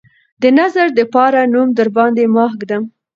د نظر دپاره نوم درباندې ماه ږدم